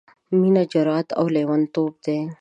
— مينه جرات او لېوانتوب دی...